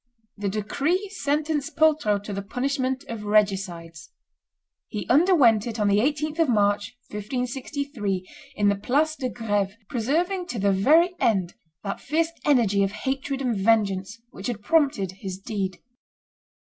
The decree sentenced Poltrot to the punishment of regicides. He underwent it on the 18th of March, 1563, in the Place de Greve, preserving to the very end that fierce energy of hatred and vengeance which had prompted his deed.